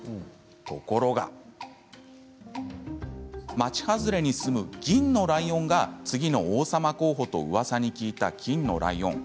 ところが、町外れに住む銀のライオンが次の王様候補とうわさに聞いた金のライオン。